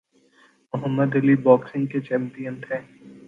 محمد Ali boxing کے champion تھے